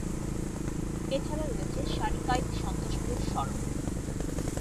এছাড়া রয়েছে সারিকাইত-সন্তোষপুর সড়ক।